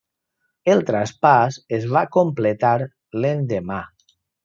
El traspàs es va completar l'endemà.